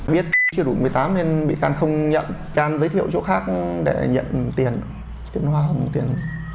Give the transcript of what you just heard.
biết chưa đủ một mươi tám nên bị can không nhận can giới thiệu chỗ khác để nhận tiền tiền hoa không tiền